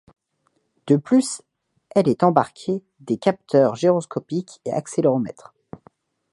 De plus, elle est embarque des capteurs gyroscopique et accéléromètre.